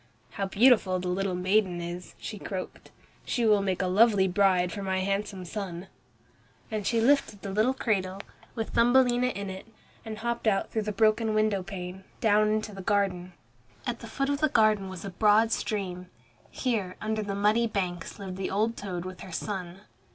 "How beautiful the little maiden is," she croaked. "She will make a lovely bride for my handsome son." And she lifted the little cradle, with Thumbelina in it, and hopped out through the broken window pane, down into the garden. At the foot of the garden was a broad stream. Here, under the muddy banks lived the old toad with her son.